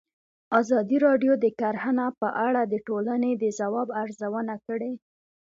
ازادي راډیو د کرهنه په اړه د ټولنې د ځواب ارزونه کړې.